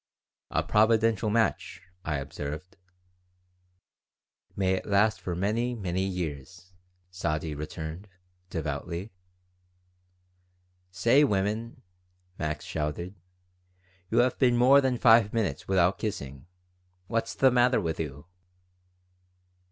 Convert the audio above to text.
"'A providential match,'" I observed. "May it last for many, many years," Sadie returned, devoutly "Say, women!" Max shouted, "you have been more than five minutes without kissing. What's the matter with you?"